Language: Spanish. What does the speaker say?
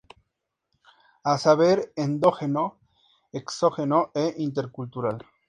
A saber, endógeno, exógeno e intercultural.